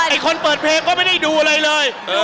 คนเปิดเพลงก็ไม่ได้ดูอะไรเลย